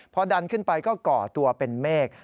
พอดันขึ้นไปก็ก่อตัวเป็นเมฆ